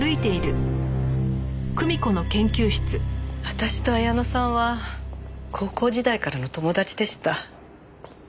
私と彩乃さんは高校時代からの友達でした。